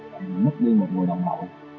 mình mất đi một người đồng đội